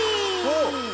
おっ！